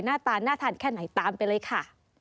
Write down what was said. หน้าตาน่าทานแค่ไหนตามไปเลยค่ะ